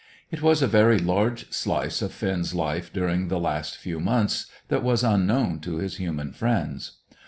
It was a very large slice of Finn's life during the last few months that was unknown to his human friends.